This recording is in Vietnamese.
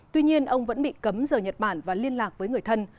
tuy nhiên ông vẫn bị cấm giờ nhật bản và liên lạc với người thân